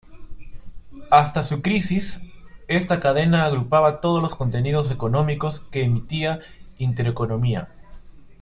Hasta su crisis, esta cadena agrupaba todos los contenidos económicos que emitía Intereconomía.